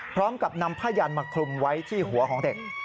พร้อมกับนำผ้ายันมาคลุมไว้ที่หัวของเด็ก